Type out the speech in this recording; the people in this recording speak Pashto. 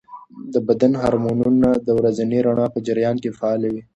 د بدن هارمونونه د ورځني رڼا په جریان کې فعاله وي.